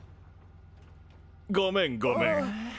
ごめんごめん。